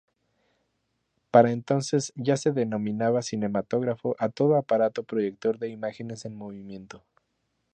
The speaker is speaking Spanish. Para entonces ya se denominaba "cinematógrafo" a todo aparato proyector de imágenes en movimiento.